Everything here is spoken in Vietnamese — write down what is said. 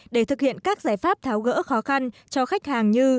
để thực hiện các giải pháp tháo gỡ khó khăn cho khách hàng như